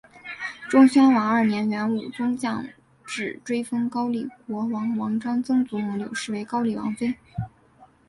忠宣王二年元武宗降制追封高丽国王王璋曾祖母柳氏为高丽王妃。